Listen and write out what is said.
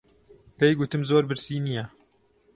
پێی گوتم زۆر برسی نییە.